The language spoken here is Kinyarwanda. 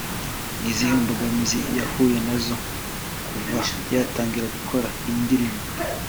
ni izihe mbogamizi yahuye na zo kuva yatangira gukora iyi ndirimbo